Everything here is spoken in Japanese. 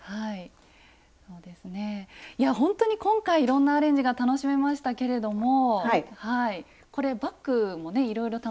いやほんとに今回いろんなアレンジが楽しめましたけれどもこれバッグもいろいろ楽しめそうですね。